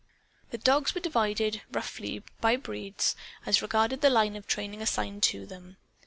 The dogs were divided, roughly, by breeds, as regarded the line of training assigned to them.